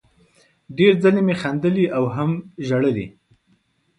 ډېر ځلې مې خندلي او هم ژړلي